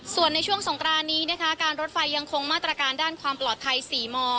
ส่วนในช่วงสงกรานนี้นะคะการรถไฟยังคงมาตรการด้านความปลอดภัย๔ม